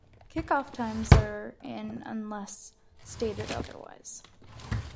Kickoff times are in unless stated otherwise.